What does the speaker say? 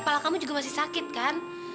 pala kamu juga masih sakit kan